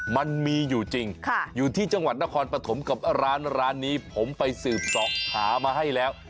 มันมีอยู่จริงอยู่ที่จังหวัดนครปฐมกับร้านนี้ผมไปสืบสอบถามมาให้แล้ว